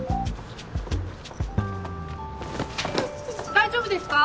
大丈夫ですか！？